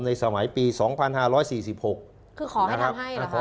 ในสมัยปีสองพันหาร้อยสี่สิบหกคือขอให้ทำให้หรอครับ